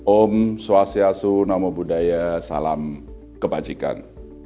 om swastiastu namo buddhaya salam kebajikan